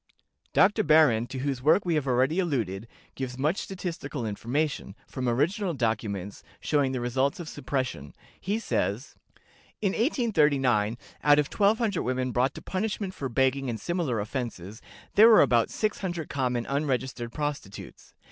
Dr. Behrend, to whose work we have already alluded, gives much statistical information, from original documents, showing the results of suppression. He says: "In 1839, out of 1200 women brought to punishment for begging and similar offenses, there were about 600 common unregistered prostitutes.